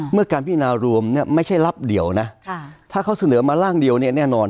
การพิจารณารวมเนี่ยไม่ใช่รับเดียวนะถ้าเขาเสนอมาร่างเดียวเนี่ยแน่นอน